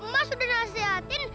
mas sudah menasihatin